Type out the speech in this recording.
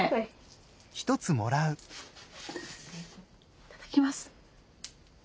いただきます。